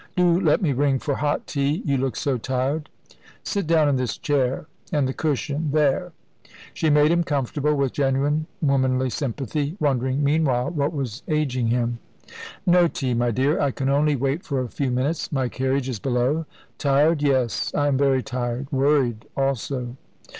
Do let me ring for hot tea you look so tired. Sit down in this chair and the cushion there!" She made him comfortable with genuine womanly sympathy, wondering, meanwhile, what was ageing him. "No tea, my dear. I can only wait for a few minutes; my carriage is below. Tired? Yes, I am very tired; worried, also."